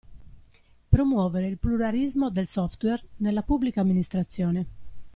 Promuovere il pluralismo del software nella Pubblica Amministrazione.